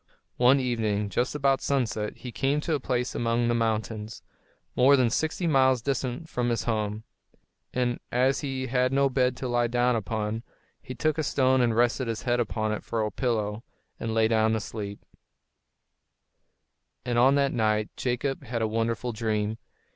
One evening, just about sunset, he came to a place among the mountains, more than sixty miles distant from his home. And as he had no bed to lie down upon, he took a stone and rested his head upon it for a pillow, and lay down to sleep. [Illustration: Angels were upon the stairs] And on that night Jacob had a wonderful dream.